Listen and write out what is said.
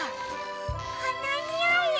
このにおいよ。